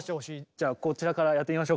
じゃあこちらからやってみましょうか。